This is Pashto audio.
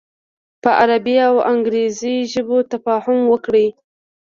په عربي او انګریزي ژبو تفاهم وکړي.